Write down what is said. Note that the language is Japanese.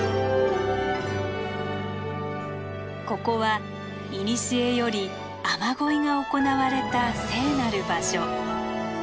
ここは古より雨乞いが行われた聖なる場所。